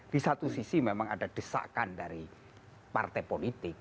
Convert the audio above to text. di satu sisi memang ada desakan dari partai politik